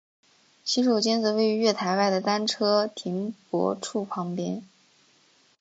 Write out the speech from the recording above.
洗手间则位于月台外的单车停泊处旁边。